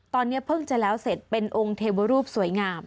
ตอนนี้เพิ่งจะแล้วเสร็จเป็นองค์เทวรูปสวยงาม